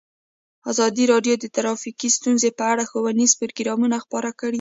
ازادي راډیو د ټرافیکي ستونزې په اړه ښوونیز پروګرامونه خپاره کړي.